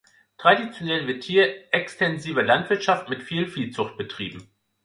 Traditionell wird hier extensive Landwirtschaft mit viel Viehzucht betrieben.